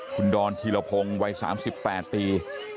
คุณดอนธีรพงศ์วัย๓๘ปี